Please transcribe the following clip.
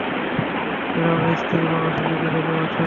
ফিরআউনের স্ত্রী মা ও শিশুকে ডেকে পাঠান।